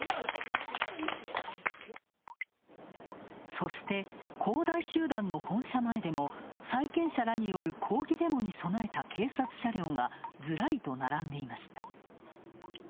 そして、恒大集団の本社前でも債権者らによる抗議デモに備えた警察車両がずらりと並んでいました。